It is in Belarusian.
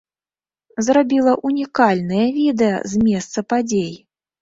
Зрабіла ўнікальныя відэа з месца падзей.